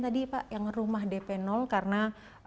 tadi pak yang rumah dp karena